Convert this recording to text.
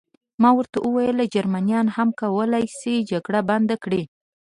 ما ورته وویل: جرمنیان هم کولای شي جګړه بنده کړي.